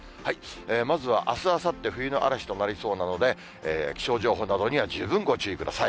まずはあす、あさって、冬の嵐となりそうなので、気象情報などには十分ご注意ください。